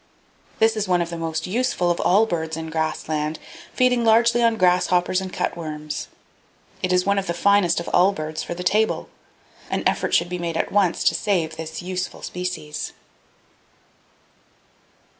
This is one of the most useful of all birds in grass land, feeding largely on grasshoppers and cutworms. It is one of the finest of all birds for the table. An effort should be made at once to save this useful species."